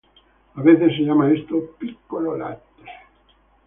A veces se llama a esto "piccolo latte".